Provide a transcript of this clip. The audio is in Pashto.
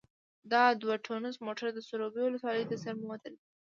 دا دوه ټونس موټر د سروبي ولسوالۍ ته څېرمه ودرېدل.